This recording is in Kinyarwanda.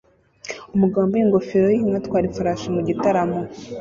Umugabo wambaye ingofero yinka atwara ifarashi mu gitaramo